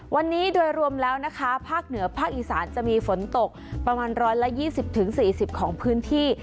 วันนี้โดยรวมแล้วนะคะภาคเหนือภาคอีสานจะมีฝนตกประมาณร้อยละยี่สิบถึงสี่สิบของพื้นที่